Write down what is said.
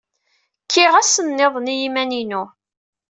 Kkiɣ ass niḍen i yiman-inu.